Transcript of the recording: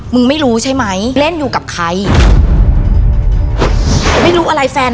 มึงไม่รู้ใช่มั้ย